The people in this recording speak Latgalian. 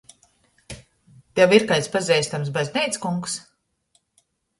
Tev ir kaids pazeistams bazneickungs?